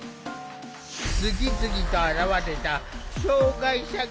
次々と現れた障害者芸人たち。